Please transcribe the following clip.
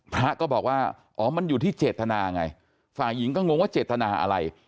พระก็บอกว่าอ๋อมันอยู่ที่เจตนาไงฝ่ายหญิงก็งงว่าเจตนาอะไร